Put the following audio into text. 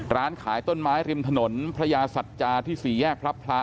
ร้านขายต้นไม้ริมถนนพระยาสัจจาที่๔แยกพระพระ